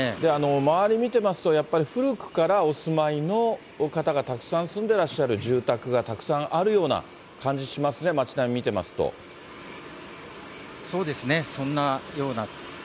周り見てますと、やっぱり古くからお住まいの方がたくさん住んでらっしゃる住宅がたくさんあるような感じしますね、そうですね。